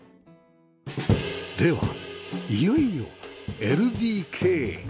ではいよいよ ＬＤＫ へ